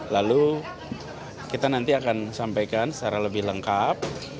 lalu kita nanti akan sampaikan secara lebih lengkap